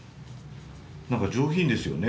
なんか上品ですよね。